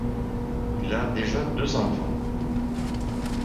Il a déjà deux enfants.